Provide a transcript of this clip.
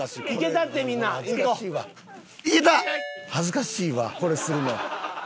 恥ずかしいわこれするの。